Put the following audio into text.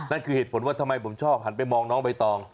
นั่นคือเหตุผลว่าทำไมผมชอบหันไปมองน้องใบตอง